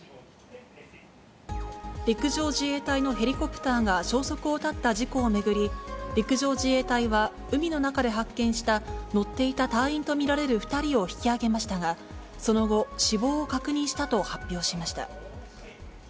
陸上自衛隊のヘリコプターが消息を絶った事故を巡り、陸上自衛隊は海の中で発見した乗っていた隊員と見られる２人を引き揚げましたが、その後、死亡を確認したと発表しました。